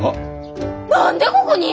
何でここに！？